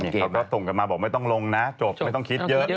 เขาก็ส่งกันมาบอกไม่ต้องลงนะจบไม่ต้องคิดเยอะ